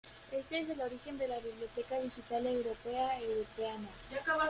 Este es el origen de la biblioteca digital Europea Europeana.